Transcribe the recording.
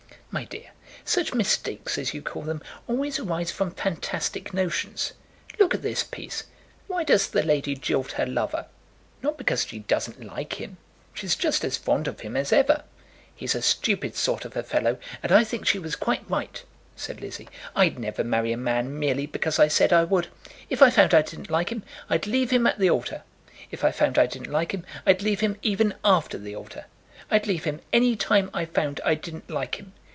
"My dear, such mistakes, as you call them, always arise from fantastic notions. Look at this piece. Why does the lady jilt her lover? Not because she doesn't like him. She's just as fond of him as ever." "He's a stupid sort of a fellow, and I think she was quite right," said Lizzie. "I'd never marry a man merely because I said I would. If I found I didn't like him, I'd leave him at the altar. If I found I didn't like him, I'd leave him even after the altar. I'd leave him any time I found I didn't like him.